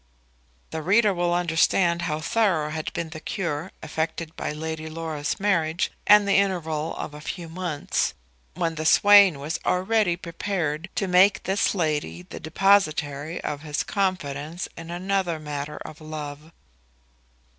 The reader will understand how thorough had been the cure effected by Lady Laura's marriage and the interval of a few months, when the swain was already prepared to make this lady the depositary of his confidence in another matter of love.